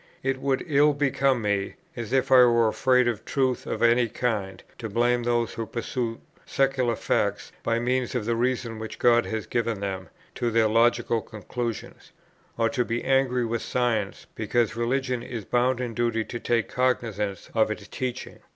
It would ill become me, as if I were afraid of truth of any kind, to blame those who pursue secular facts, by means of the reason which God has given them, to their logical conclusions: or to be angry with science, because religion is bound in duty to take cognizance of its teaching.